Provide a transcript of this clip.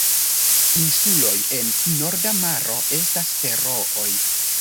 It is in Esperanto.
Insuloj en Norda maro estas Ferooj.